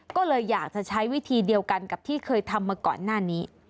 ก็เลยอยากจะใช้วิธีเดียวกันกับที่เคยทำมาก่อนหน้านี้